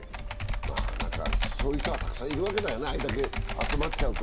そういう人がたくさんいるわけだよね、あれだけ集まっちゃうと。